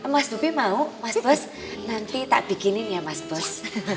mas duki mau mas bos nanti tak bikinin ya mas bos